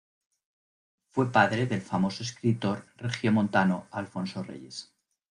Fue padre del famoso escritor regiomontano Alfonso Reyes.